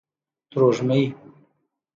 ترژومۍ